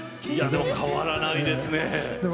変わらないですね。